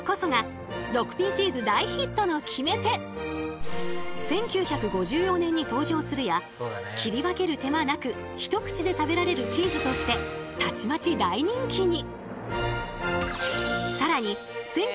そしてこの１９５４年に登場するや切り分ける手間なく一口で食べられるチーズとしてたちまち大人気に！